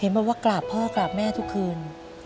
เห็นไหมว่ากล่าวพ่อกล่าวแม่ทุกคืน